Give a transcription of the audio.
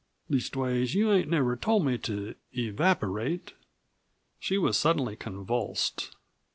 Leastways, you ain't never told me to 'evaporate'." She was suddenly convulsed.